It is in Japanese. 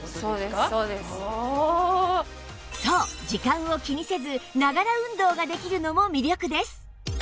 そう時間を気にせずながら運動ができるのも魅力です